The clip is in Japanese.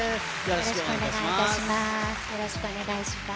よろしくお願いします。